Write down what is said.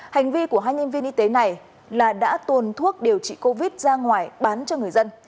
hành vi của hai nhân viên y tế này là đã tuồn thuốc điều trị covid ra ngoài bán cho người dân